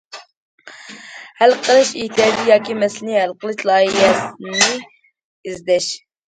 ھەل قىلىش ئېھتىياجى ياكى مەسىلىنى ھەل قىلىش لايىھەسىنى ئىزدەش.